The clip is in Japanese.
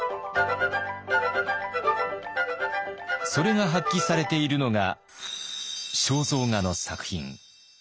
それが発揮されているのが肖像画の作品。